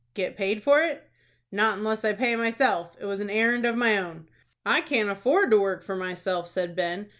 "Get paid for it?" "Not unless I pay myself. It was an errand of my own." "I can't afford to work for myself," said Ben.